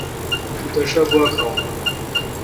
تو تس شا گوا کھاوون۔